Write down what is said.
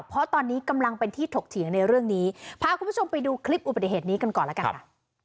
เพราะตอนนี้กำลังเป็นที่ถกเถียงในเรื่องนี้พาคุณผู้ชมไปดูคลิปอุบัติเหตุนี้กันก่อนแล้วกันค่ะ